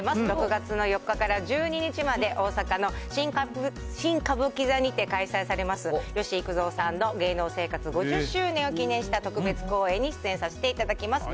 ６月の４日から１２日まで、大阪の新歌舞伎座にて開催されます、吉幾三さんの芸能生活５０周年を記念した特別公演に出演させていただきます。